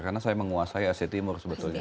karena saya menguasai asia timur sebetulnya